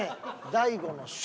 大悟の書。